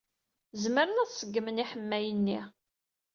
Zemren ad ṣeggmen aḥemmay-nni.